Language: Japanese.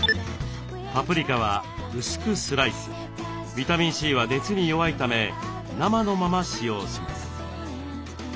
ビタミンＣは熱に弱いため生のまま使用します。